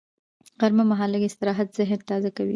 غرمه مهال لږ استراحت ذهن تازه کوي